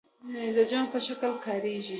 د جمع په شکل کاریږي.